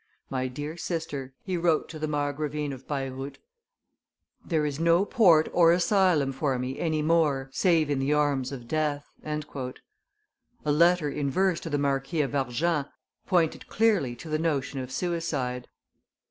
"My dear sister," he wrote to the Margravine of Baireuth, "there is no port or asylum for me any more save in the arms of death." A letter in verse to the Marquis of Argens pointed clearly to the notion of suicide.